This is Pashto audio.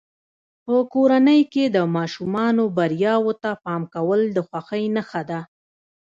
په کورنۍ کې د ماشومانو بریاوو ته پام کول د خوښۍ نښه ده.